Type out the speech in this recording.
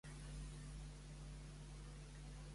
I on es va mudar Ió?